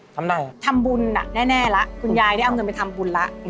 ทำได้ครับทำบุญน่ะแน่แล้วคุณยายได้เอาเงินไปทำบุญแล้ว